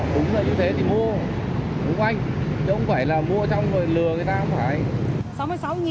đúng là như thế thì mua đúng anh chứ không phải là mua trong rồi lừa người ta không phải